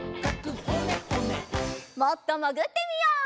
もっともぐってみよう。